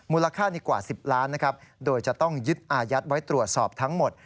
ค่านี้กว่า๑๐ล้านนะครับโดยจะต้องยึดอายัดไว้ตรวจสอบทั้งหมด